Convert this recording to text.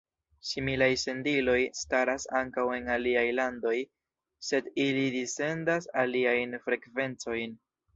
Similaj sendiloj staras ankaŭ en aliaj landoj, sed ili dissendas aliajn frekvencojn.